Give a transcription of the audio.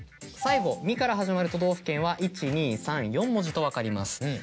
最後「み」から始まる都道府県は１・２・３・４文字と分かります。